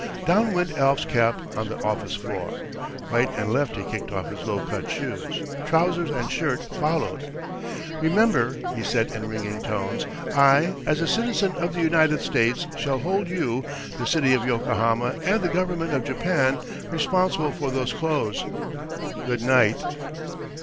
Down went Alf's cap on the office floor. Right and left he kicked off his low cut shoes. Trousers and shirt followed. "Remember," he said in ringing tones, "I, as a citizen of the United States, shall hold you, the city of Yokohama, and the government of Japan responsible for those clothes. Good night."